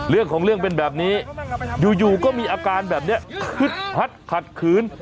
เรื่องของเรื่องเป็นแบบนี้อยู่ก็มีอาการแบบนี้คึกฮัดขัดขืน